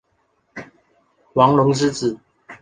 王隆之子。